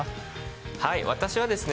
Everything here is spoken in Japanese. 私はですね